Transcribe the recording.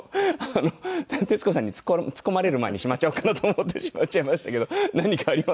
徹子さんにツッコまれる前にしまっちゃおうかなと思ってしまっちゃいましたけど何かありますか？